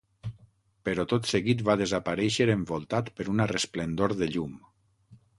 Però tot seguit va desaparèixer envoltat per una resplendor de llum.